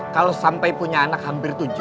kalau sampai punya anak hampir tujuh